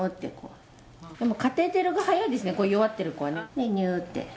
でもカテーテルが早いですね弱ってる子はねにゅーって。